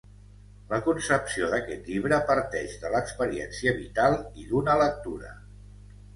La concepció d'aquest llibre parteix de l'experiència vital i d'una lectura.